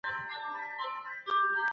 څېړني باید یوازي پر افرادو ترسره نه سي.